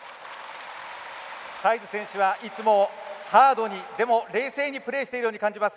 サイズ選手はいつもハードにでも冷静にプレーしているように感じます。